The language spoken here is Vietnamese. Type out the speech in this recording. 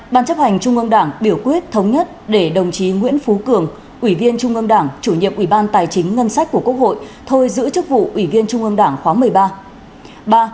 một ban chấp hành trung ương đảng biểu quyết thống nhất để đồng chí nguyễn phú cường ủy viên trung ương đảng chủ nhiệm ủy ban tài chính ngân sách của quốc hội thôi giữ chức vụ ủy viên trung ương đảng khóa một mươi ba